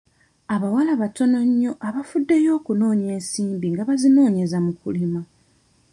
Abawala batono nnyo abafuddeyo okunoonya ensimbi nga bazinoonyeza mu kulima.